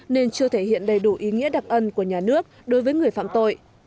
nên chưa thể hiện đầy đủ ý nghĩa đặc ân của nhà nước đối với người phạm tội